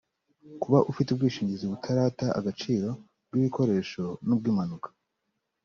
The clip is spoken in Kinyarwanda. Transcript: kuba ufite ubwishingizi butarata agaciro bw’ ibikoresho n’ ubw’ impanuka